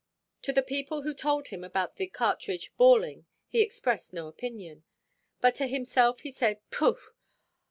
To the people who told him about the cartridge "balling," he expressed no opinion; but to himself he said, "Pooh!